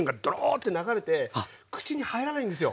ッて流れて口に入らないんですよ。